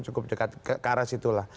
cukup dekat ke arah situlah